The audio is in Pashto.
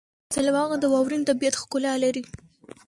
سلواغه د واورین طبیعت ښکلا لري.